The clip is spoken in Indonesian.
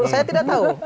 saya tidak tahu